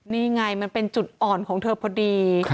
นี่ไงมันเป็นจุดอ่อนของเธอพอดี